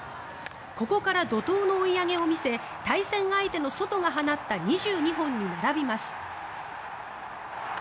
ここから怒涛の追い上げを見せ対戦相手のソトが放った２２本に並びます。